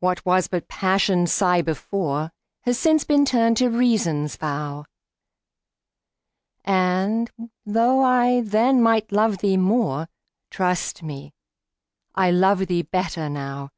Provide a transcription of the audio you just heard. What was but Passion's sigh before, Has since been turned to Reason's vow; And, though I then might love thee more, Trust me, I love thee better now.